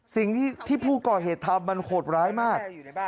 สิ่งที่ผู้ก่อเหตุทำมันโหดร้ายมาก